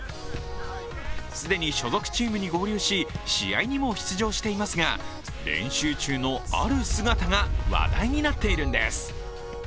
既に所属チームに合流し、試合にも出場していますが、練習中の、ある姿が話題になっているんです。